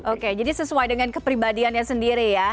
oke jadi sesuai dengan kepribadiannya sendiri ya